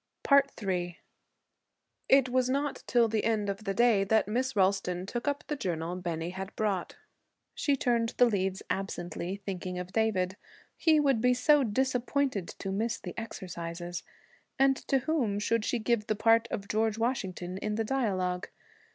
III It was not till the end of the day that Miss Ralston took up the journal Bennie had brought. She turned the leaves absently, thinking of David. He would be so disappointed to miss the exercises! And to whom should she give the part of George Washington in the dialogue?